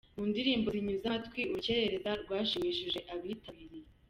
Mu ndirimbo zinyuze amatwi Urukerereza rwashimishije abitabiriye.